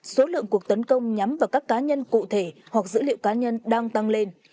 số lượng cuộc tấn công nhắm vào các cá nhân cụ thể hoặc dữ liệu cá nhân đang tăng lên